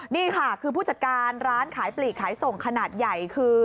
นี่ค่ะคือผู้จัดการร้านขายปลีกขายส่งขนาดใหญ่คือ